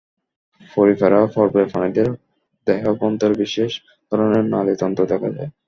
Porifera পর্বের প্রাণীদের দেহাভ্যন্তরে বিশেষ ধরনের নালিতন্ত্র দেখা যায়।